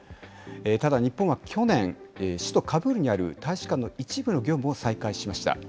ただ日本は去年、首都カブールにある大使館の一部の業務を再開しました。